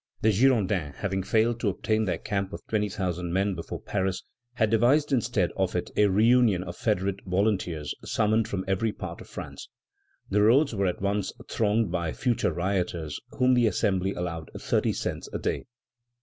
The Girondins, having failed to obtain their camp of twenty thousand men before Paris, had devised instead of it a reunion of federate volunteers, summoned from every part of France. The roads were at once thronged by future rioters whom the Assembly allowed thirty cents a day.